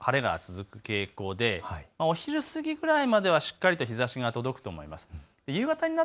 オレンジの表示、昼前にかけても晴れが続く傾向でお昼過ぎぐらいまではしっかりと日ざしが届くと思います。